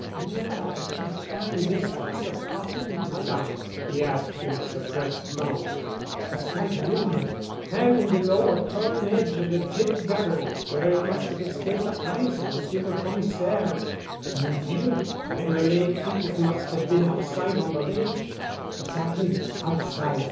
"Where did you find this piece of cotton, Madame?" he asked in a suppressed tone. "Outside the window—hanging below a torn edge of the tin gutter, where it must have escaped the eyes of Monsieur le Commissaire." "Mon Dieu! Then the lay figure must have been outside on the ledge——" "Exactly. Outside.